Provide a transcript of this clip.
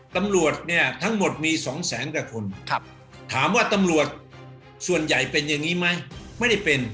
ตำรวจเนี่ยทั้งหมดมี๒แสนกว่าคนถามว่าตำรวจส่วนใหญ่เป็นอย่างนี้ไหมไม่ได้เป็น